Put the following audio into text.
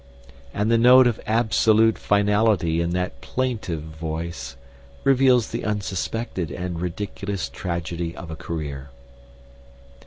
And the note of absolute finality in that plaintive voice reveals the unsuspected and ridiculous tragedy of a career.